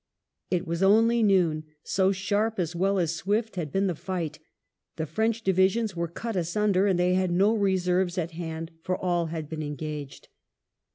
It was only noon, so sharp as well as swift had been the fight The French divisions were cut asunder, and they had no reserves at hand, for all had been engaged.